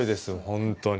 本当に。